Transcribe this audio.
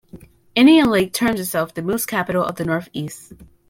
Indian Lake terms itself the Moose capital of the Northeast.